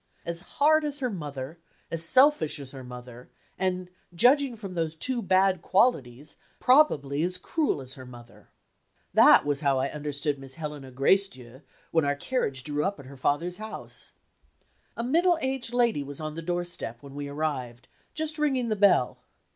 As hard as her mother, as selfish as her mother, and, judging from those two bad qualities, probably as cruel as her mother. That was how I understood Miss Helena Gracedieu, when our carriage drew up at her father's house. A middle aged lady was on the doorstep, when we arrived, just ringing the bell.